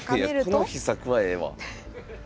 いやこの秘策はええわ。